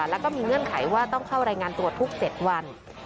แล้วก็มีเงื่อนไขว่าต้องเข้ารายงานตัวทุก๗วัน